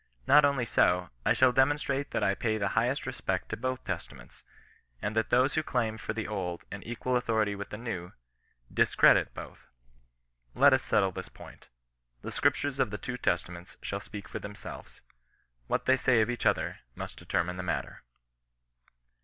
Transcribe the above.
Not only so, I shall demonstrate that I pay the highest respect to both Testaments ; and that those who claim for the Old an equal authority with the New, discredit both. Let us settle this point. The scriptures of the two Testaments shall speak for themselves. What they say of each other must determine the matter.